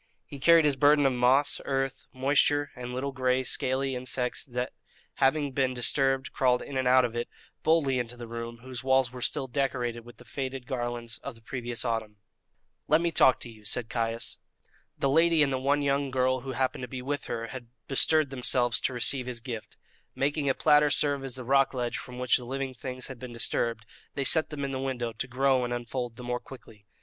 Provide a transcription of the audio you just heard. He carried his burden of moss, earth, moisture, and little gray scaly insects that, having been disturbed, crawled in and out of it, boldly into the room, whose walls were still decorated with the faded garlands of the previous autumn. "Let me talk to you," said Caius. The lady and the one young girl who happened to be with her had bestirred themselves to receive his gift. Making a platter serve as the rock ledge from which the living things had been disturbed, they set them in the window to grow and unfold the more quickly.